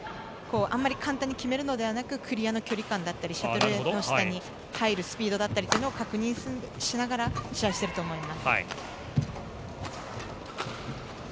あまり簡単に決めるのではなくてクリアの距離感だったりとかシャトルの下に入るスピードなどを確信しながら試合をしていると思います。